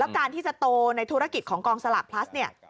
การที่จะโตในธุรกิจของกองสลากพลัสเนี่ย